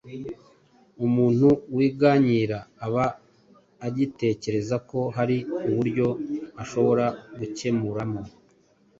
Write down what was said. Umuntu wiganyira aba agitekereza ko hari uburyo ashobora gukemuramo